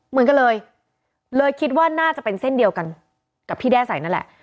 เหมือนกันเลยเลยคิดว่าน่าจะเป็นเส้นเดียวกันกับที่แด้ใส่นั่นแหละ